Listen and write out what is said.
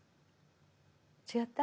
違った？